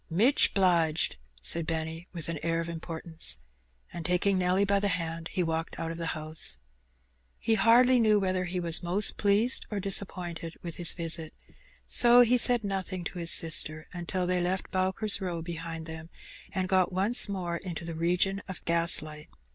"Mich 'bliged," said Benny, with an air of importance^ And taking Nelly by the hand, he walked out of the house He hardly knew whether he was most pleased or dis^ appointed with his visit, so he said nothing to his sister* until they had left Bowker's Row behind them, and gofc once more into the region of gaslight.